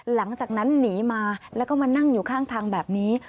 หลังจากนั้นหนีมาแล้วก็มานั่งอยู่ข้างทางแบบนี้